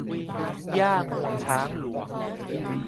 หญ้างวงช้างหลวง